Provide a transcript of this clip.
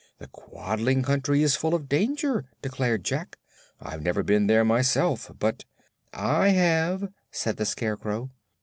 the Quadling Country is full of dangers," declared Jack. "I've never been there myself, but " "I have," said the Scarecrow.